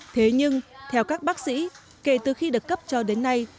thế nhưng theo các bác sĩ kể từ khi được cấp cho đến nay